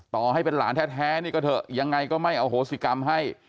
ต่อให้เป็นหลานแท้นี่ก็เถอะยังไงก็ไม่อโหสิกรรมให้